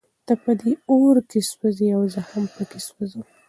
ته په دې اور کې سوزې او زه هم پکې سوزم.